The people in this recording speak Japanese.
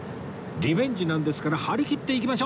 リベンジなんですから張り切っていきましょう！